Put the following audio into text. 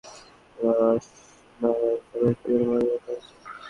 ময়নাতদন্তের জন্য নূর ইসলামের লাশ নড়াইল সদর হাসপাতালের মর্গে রাখা হয়েছে।